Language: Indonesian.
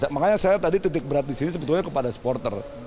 makanya saya tadi titik berat di sini sebetulnya kepada supporter